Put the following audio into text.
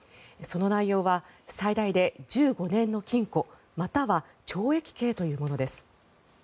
その内容は最大で１５年の禁錮または懲役刑というものです。